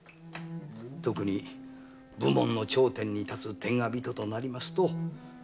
特に武門の頂点に立つ天下人となりますとまた別です。